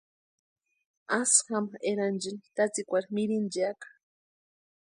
Asï jama eranchini tatsikwari mirinchiaka.